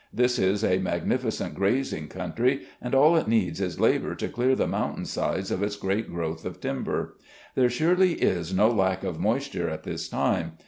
This is a magnificent grazing country, and all it needs is labour to clear the mountain sides of its great growth of timber. There surely is no lack of moisture at this time.